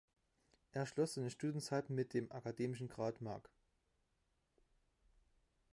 Er schloss seine Studienzeit mit dem akademischen Grad "Mag.